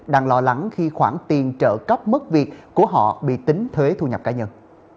đang lo lắng khi khoản tiền trợ cấp mất việc của họ bị tính thuế thu nhập cá nhân